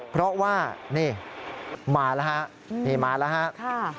เพราะว่านี่มาแล้วครับนี่มาแล้วครับ